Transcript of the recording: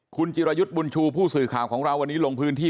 คุณจิรยุทธ์บุญชูผู้สื่อข่าวของเราวันนี้ลงพื้นที่